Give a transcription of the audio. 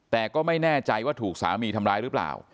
แต่ก็ไม่แน่ใจว่าถูกสามีทำร้ายหรือเปล่า